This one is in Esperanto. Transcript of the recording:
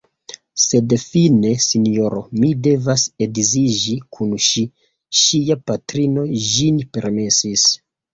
Sed fine, sinjoro, mi devas edziĝi kun ŝi; ŝia patrino ĝin permesis.